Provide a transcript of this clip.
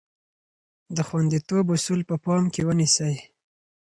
د خوندیتوب اصول په پام کې ونیسئ.